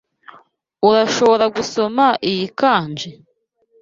Urashobora gusoma iyi kanji?